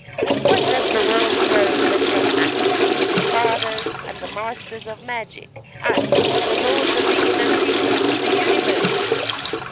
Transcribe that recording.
What does the world know but from us, the fathers and the masters of magic us, the lords of the inner secrets of the universe!